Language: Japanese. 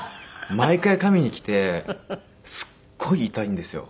毎回噛みに来てすっごい痛いんですよ。